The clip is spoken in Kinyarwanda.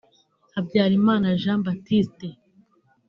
Habyalimana Jean Baptiste